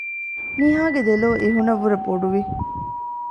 ނިހާގެ ދެލޯ އިހުނަށްވުރެ ބޮޑުވި